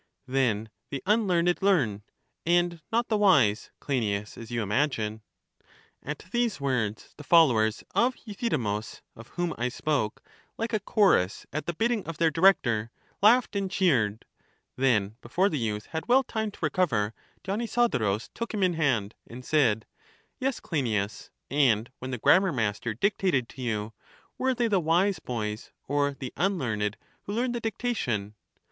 Then the unlearned learn, and not the wise, Cleinias, as you imagine. At these words the followers of Euthydemus, of whom I spoke, like a chorus at the bidding of their director, laughed and cheered. Then, before the youth had well time to recover, Dionysodorus took him in hand, and said: Yes, Cleinias; and when the 228 EUTHYDEMUS grammar master dictated to you, were they the wise boj^s or the unlearned who learned the dictation?